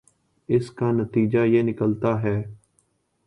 اس کا نتیجہ یہ نکلتا ہے